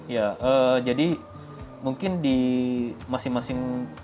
ya jadi mungkin di masing masing